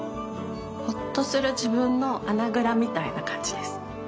ほっとする自分の穴ぐらみたいな感じです。